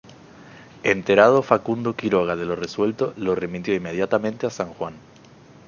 Enterado Facundo Quiroga de lo resuelto lo remitió inmediatamente a San Juan.